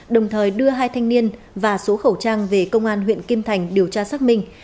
đồng thời đưa hai thanh niên và số khẩu trang về công an huyện kim thành điều tra xác minh